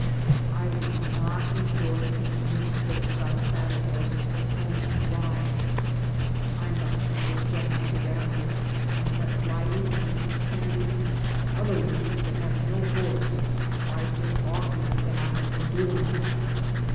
I would not enjoy taking this trip without a saddle horse or pony to ride. I must be more generous hereafter and let Lyde and Mrs. Kennedy and other ladies that have no horse ride Dick oftener than I have been do ing.